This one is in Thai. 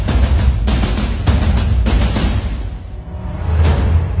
โปรดติดตามตอนต่อไป